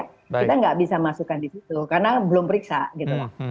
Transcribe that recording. kita nggak bisa masukkan di situ karena belum periksa gitu loh